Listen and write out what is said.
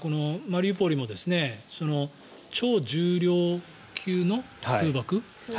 それから、マリウポリも超重量級の空爆。